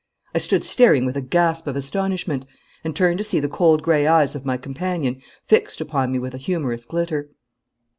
I stood staring with a gasp of astonishment, and turned to see the cold grey eyes of my companion fixed upon me with a humorous glitter.